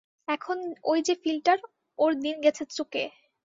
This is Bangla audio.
এখন ঐ যে ফিলটার, ওর দিন গেছে চুকে।